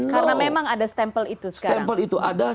karena memang ada stempel itu sekarang